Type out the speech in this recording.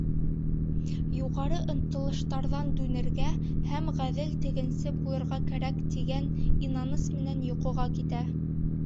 Юғары ынтылыштарҙан дүнергә һәм ғәҙел тегенсе булырға кәрәк, тигән инаныс менән йоҡоға китә.